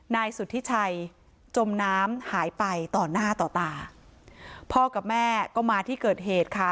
นายสุธิชัยจมน้ำหายไปต่อหน้าต่อตาพ่อกับแม่ก็มาที่เกิดเหตุค่ะ